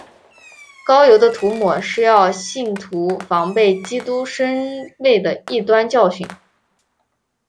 膏油的涂抹是要信徒防备基督身位的异端教训。